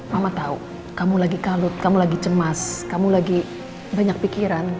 mama tahu kamu lagi kalut kamu lagi cemas kamu lagi banyak pikiran